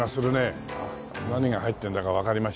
何が入ってんだかわかりました。